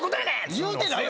言うてないよ